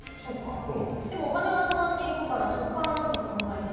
でもお金はたまっていくからそこから考えたり。